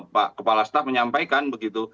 pak kepala staf menyampaikan begitu